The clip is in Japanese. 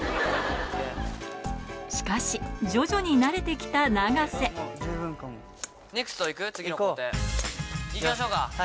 しかし徐々に慣れて来た永瀬行きましょうか。